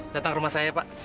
datang ke rumah saya pak